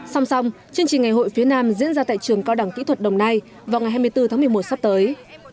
song song chương trình ngày hội phía nam diễn ra tại trường cao đẳng kỹ thuật đồng nai vào ngày hai mươi bốn tháng một mươi một sắp tới